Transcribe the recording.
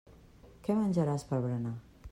Què menjaràs per berenar.